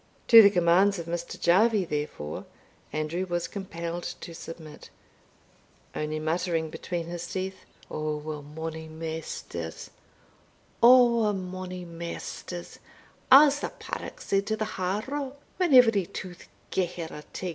To the commands of Mr. Jarvie, therefore, Andrew was compelled to submit, only muttering between his teeth, "Ower mony maisters, ower mony maisters, as the paddock said to the harrow, when every tooth gae her a tig."